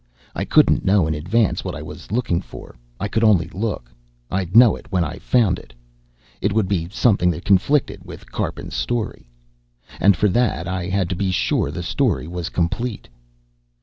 I couldn't know in advance what I was looking for, I could only look. I'd know it when I found it. It would be something that conflicted with Karpin's story. And for that, I had to be sure the story was complete.